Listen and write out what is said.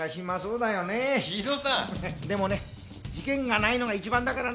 でもね事件がないのが一番だからね。